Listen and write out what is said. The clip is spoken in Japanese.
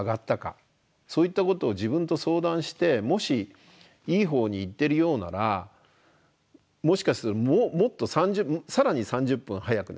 そういったことを自分と相談してもしいいほうにいってるようならもしかするともっと更に３０分早く寝てみる。